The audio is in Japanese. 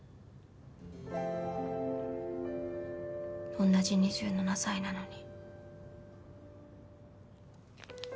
おんなじ２７歳なのに。